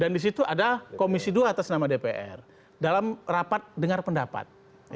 dan di situ ada komisi dua atas nama dpr dalam rapat dengar pendapat